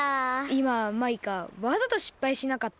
いまマイカわざとしっぱいしなかった？